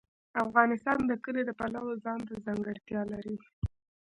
افغانستان د کلي د پلوه ځانته ځانګړتیا لري.